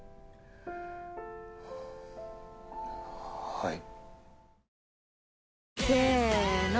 はい。